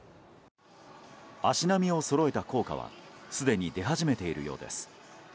足並みをそろえた効果はすでに出始めているようです。